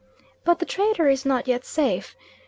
But the trader is not yet safe.